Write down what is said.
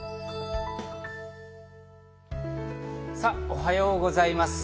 おはようございます。